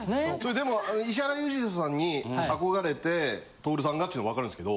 でも石原裕次郎さんに憧れて徹さんがっていうのはわかるんですけど。